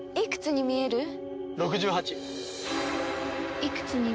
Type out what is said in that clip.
いくつに見える？